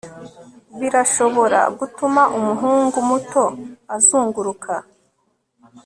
birashobora gutuma umuhungu muto azunguruka